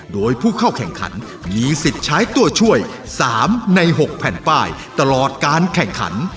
โดยผู้เข้าแข่งขันมีสิทธิ์ใช้ตัวช่วย๓ใน๖แผ่นป้ายตลอดการแข่งขัน